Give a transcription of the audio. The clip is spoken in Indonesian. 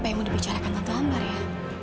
apa yang mau dibicarakan tante ambar ya